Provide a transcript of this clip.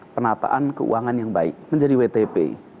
penataan keuangan yang baik menjadi wtp